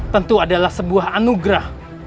tentu adalah sebuah anugerah